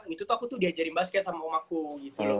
itu tuh aku tuh diajarin basket sama mamaku gitu loh